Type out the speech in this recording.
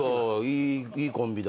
いいコンビだ。